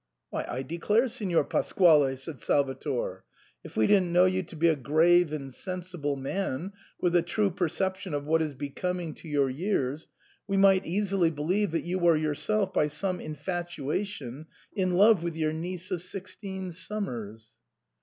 *' "Why, I declare, Signor Pasquale," said Salvator, " if we didn't know you to be a grave and sensible man, with a true perception of what is becoming to your years, we might easily believe that you were yourself by some infatuation in love with your niece of sixteen summers."